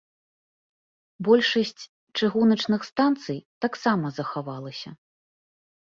Большасць чыгуначных станцый таксама захавалася.